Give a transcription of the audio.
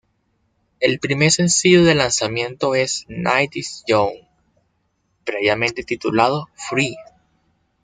El primer sencillo del lanzamiento es "Night Is Young", previamente titulado "Free".